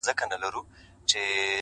چي زه تورنه ته تورن سې گرانه -